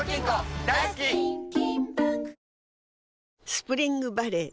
スプリングバレー